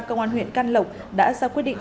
công an huyện căn lộc đã ra quyết định